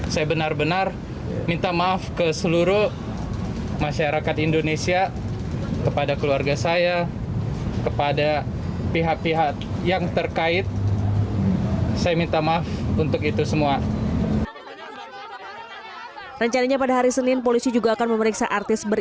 saya benar benar minta maaf ke seluruh masyarakat indonesia kepada keluarga saya kepada pihak pihak yang terkait